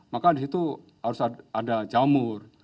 maka di situ harus ada jamur